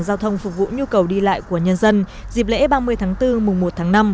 giao thông phục vụ nhu cầu đi lại của nhân dân dịp lễ ba mươi tháng bốn mùng một tháng năm